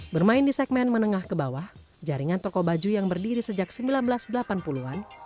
bermain di segmen menengah ke bawah jaringan toko baju yang berdiri sejak seribu sembilan ratus delapan puluh an